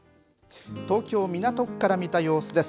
東京・港区から見た様子です。